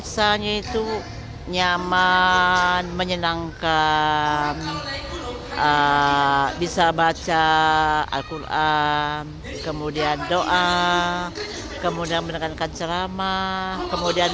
saya itu nyaman menyenangkan bisa baca alquran kemudian doa kemudian mendengarkan ceramah kemudian